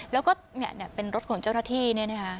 แล้วก็เป็นรถของเจ้าหน้าที่เนี่ยนะคะ